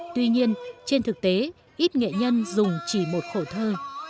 tuy nhiên trên thực tế ít nghệ nhân dùng chỉ một khổ thơ